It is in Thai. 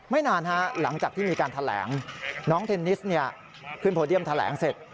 นานหลังจากที่มีการแถลงน้องเทนนิสขึ้นโพเดียมแถลงเสร็จ